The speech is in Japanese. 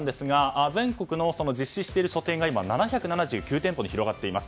全国で実施している書店が７７９店舗に広がっています。